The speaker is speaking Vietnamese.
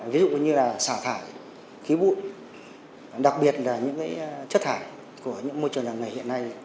ví dụ như là xả thải khí bụi đặc biệt là những chất thải của những môi trường làng nghề hiện nay